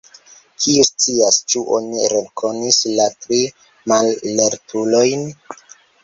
Kiu scias, ĉu oni rekonis la tri mallertulojn?